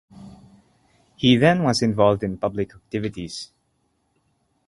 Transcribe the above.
He then was involved in public activities.